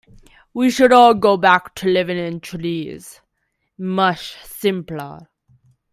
We should all go back to living in the trees, much simpler.